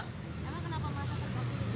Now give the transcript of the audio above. kenapa merasa terganggu